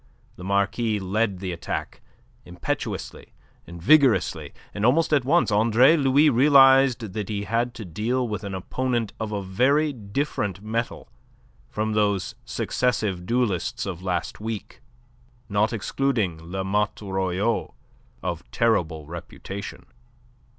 The Marquis led the attack, impetuously and vigorously, and almost at once Andre Louis realized that he had to deal with an opponent of a very different mettle from those successive duellists of last week, not excluding La Motte Royau, of terrible reputation.